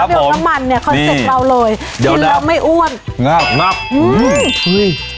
ครับผมน้ำมันเนี้ยคอนเซ็ปเราเลยเดี๋ยวดับกินแล้วไม่อ้วนงับงับอื้อ